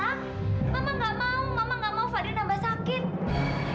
mama gak mau mama nggak mau fadil nambah sakit